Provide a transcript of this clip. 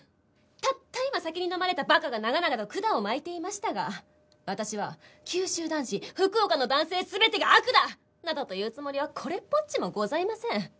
たった今酒にのまれたバカが長々とくだを巻いていましたが私は九州男児福岡の男性全てが悪だ！などと言うつもりはこれっぽっちもございません。